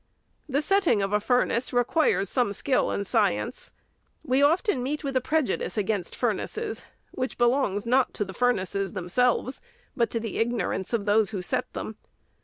The set ting of a furnace requires some skill and science. We often meet with a prejudice against furnaces, which be longs not to the furnaces themselves, but to the ignorance of those who set them.